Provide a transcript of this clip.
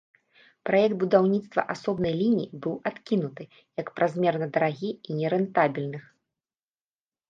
Праект будаўніцтва асобнай лініі быў адкінуты, як празмерна дарагі і нерэнтабельных.